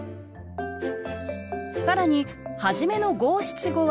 更に初めの五七五は上の句。